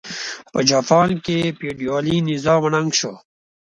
په جاپان کې فیوډالي نظام ړنګ شو.